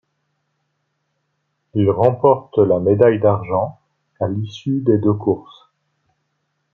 Il remporte la médaille d'argent à l'issue des deux courses.